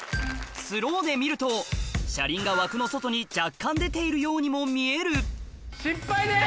スローで見ると車輪が枠の外に若干出ているようにも見える失敗です！